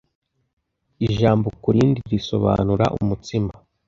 ijambo ku rindi risobanura umutsima